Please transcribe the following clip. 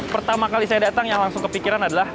pertama kali saya datang yang langsung kepikiran adalah